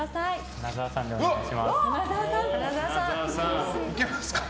花澤さんでお願いします。